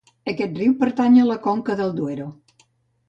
Aquest riu pertany a la conca del Duero.